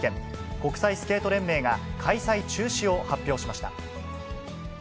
国際スケート連盟が、開催中止を発表しました。